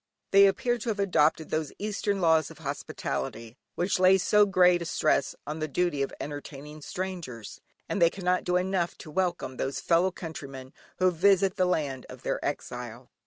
They appear to have adopted those Eastern laws of hospitality, which lay so great a stress on the duty of entertaining strangers, and they cannot do enough to welcome those fellow countrymen who visit the land of their exile.